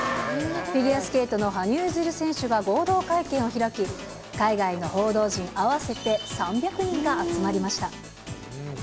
フィギュアスケートの羽生結弦選手が合同会見を開き、海外の報道陣合わせて３００人が集まりました。